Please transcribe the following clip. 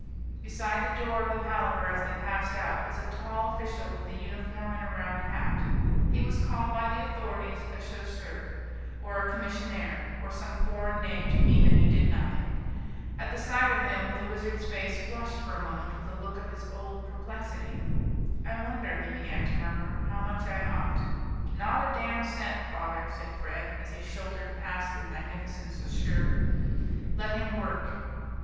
Beside the door of the Palaver as they passed out was a tall official with a uniform and a round hat. He was called by the authorities a chasseur or a commissionaire, or some foreign name to mean that he did nothing. At the sight of him the Wizard's face flushed for a moment, with a look of his old perplexity. "I wonder," he began to murmur, "how much I ought " "Not a damn cent, father," said Fred, as he shouldered past the magnificent chasseur; "let him work."